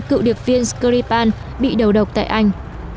cựu điệp viên skripal bị đầu độc tại anh